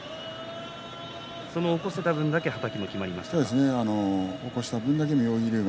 起こした分だけ、はたきがきまりましたね。